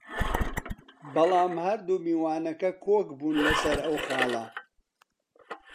بەڵام هەردوو میوانەکە کۆک بوون لەسەر ئەو خاڵە